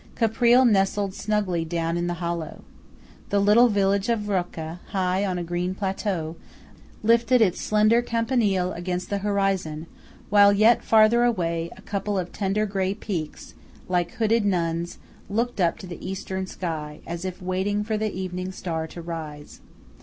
Caprile nestled snugly down in the hollow. The little village of Rocca, high on a green plateau, lifted its slender campanile against the horizon; while yet farther away, a couple of tender grey peaks, like hooded nuns, looked up to the Eastern sky, as if waiting for the evening star to rise.